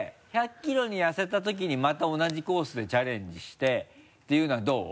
１００キロに痩せたときにまた同じコースでチャレンジしてていうのはどう？